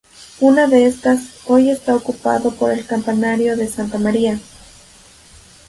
Una de estas, hoy está ocupada por el campanario de Santa María.